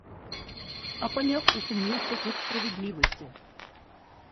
А поняв, усумнился в их справедливости?